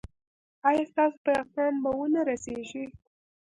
ایا ستاسو پیغام به و نه رسیږي؟